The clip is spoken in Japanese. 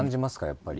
やっぱり。